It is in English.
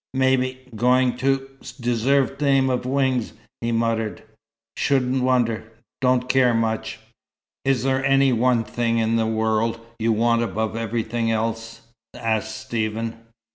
"Maybe going to deserve name of Wings," he muttered. "Shouldn't wonder. Don't care much." "Is there any one thing in this world you want above everything else?" asked Stephen.